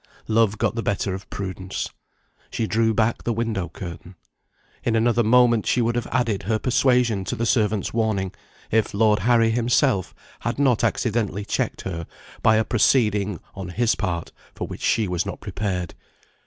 Love got the better of prudence. She drew back the window curtain. In another moment, she would have added her persuasion to the servant's warning, if Lord Harry himself had not accidentally checked her by a proceeding, on his part, for which she was not prepared.